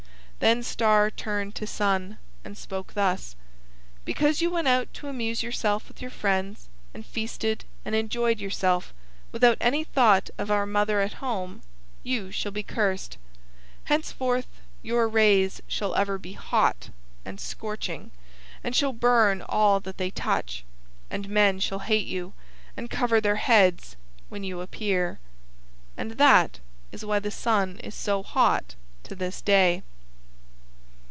Then Star turned to Sun and spoke thus, "Because you went out to amuse yourself with your friends, and feasted and enjoyed yourself, without any thought of our mother at home—you shall be cursed. Henceforth, your rays shall ever be hot and scorching, and shall burn all that they touch. And men shall hate you, and cover their heads when you appear. (And that is why the Sun is so hot to this day.)